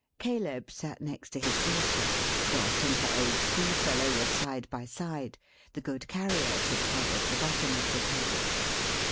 Caleb sat next his daughter; Dot and her old schoolfellow were side by side; the good Carrier took care of the bottom of the table.